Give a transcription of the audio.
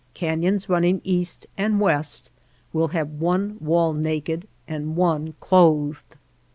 Cafions running east and west will have one wall naked and one clothed.